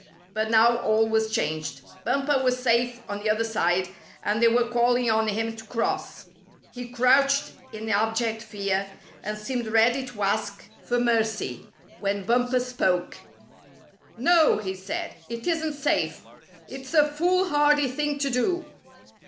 But now all was changed. Bumper was safe on the other side, and they were calling on him to cross. He crouched in abject fear, and seemed ready to ask for mercy when Bumper spoke. 50 A Test of Courage "No," he said, "it isn't safe. It's a foolhardy thing to do.